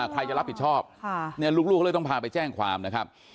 ใครจะรับผิดชอบลูกเขาเลยต้องพาไปแจ้งความนะครับ